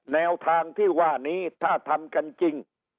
แนวทางที่ว่านี้ถ้าทำกันจริง